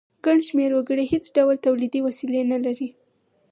ګڼ شمیر وګړي هیڅ ډول تولیدي وسیلې نه لري.